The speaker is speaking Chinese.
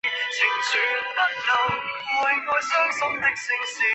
头圆吻钝。